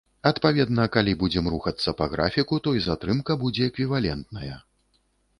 Адпаведна, калі будзем рухацца па графіку, то і затрымка будзе эквівалентная.